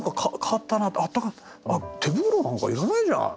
あっ手袋なんかいらないじゃん！